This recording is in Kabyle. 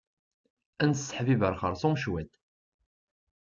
Ad nesseḥbiber xerṣum cwit.